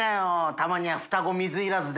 たまには双子水入らずで。